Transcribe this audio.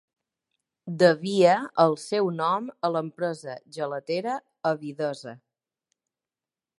Devia el seu nom a l'empresa gelatera Avidesa.